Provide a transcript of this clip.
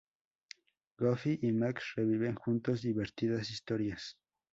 Goofy y Max reviven juntos divertidas historias.